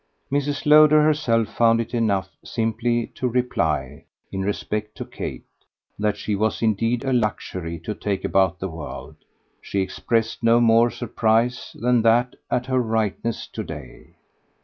Mrs. Lowder herself found it enough simply to reply, in respect to Kate, that she was indeed a luxury to take about the world: she expressed no more surprise than that at her "rightness" to day.